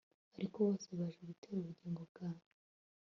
Ariko bose baje gutera ubugingo bwanjye